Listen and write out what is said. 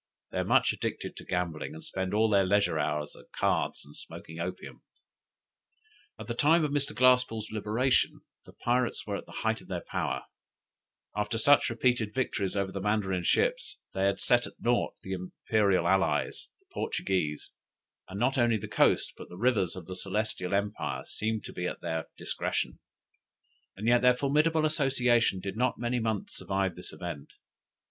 They are much addicted to gambling, and spend all their leisure hours at cards and smoking opium." [Illustration: The War Junks of the Ladrones.] At the time of Mr. Glasspoole's liberation, the pirates were at the height of their power; after such repeated victories over the Mandarin ships, they had set at nought the Imperial allies the Portuguese, and not only the coast, but the rivers of the celestial empire seemed to be at their discretion and yet their formidable association did not many months survive this event.